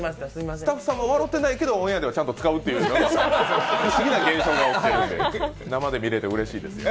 スタッフさんが笑ってないけど、オンエアではちゃんと使うという謎の現象が起きてますけど生で見れてうれしいですよね。